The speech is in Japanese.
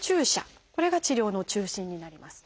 これが治療の中心になります。